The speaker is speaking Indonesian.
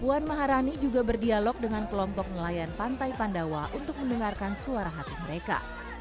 puan maharani juga berdialog dengan kelompok nelayan pantai pandawa untuk mendengarkan suara hati mereka